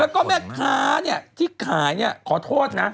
แล้วก็แม่ค้าที่ขายเนี่ยขอโทษนะ